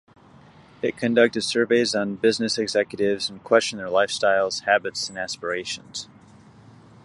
It conducted surveys on business executives and questioned their lifestyles, habits and aspirations.